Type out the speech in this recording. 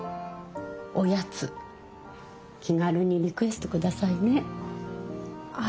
おやつ気軽にリクエスト下さいね。